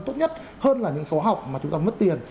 tốt nhất hơn là những số học mà chúng ta mất tiền